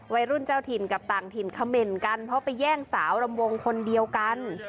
วัยรุ่นเจ้าถิ่นกับต่างถิ่นเขม่นกันเพราะไปแย่งสาวลำวงคนเดียวกัน